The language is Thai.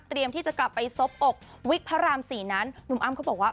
ที่จะกลับไปซบอกวิกพระราม๔นั้นหนุ่มอ้ำเขาบอกว่า